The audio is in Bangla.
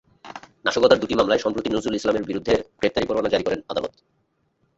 নাশকতার দুটি মামলায় সম্প্রতি নজরুল ইসলামের বিরুদ্ধে গ্রেপ্তারি পরোয়ানা জারি করেন আদালত।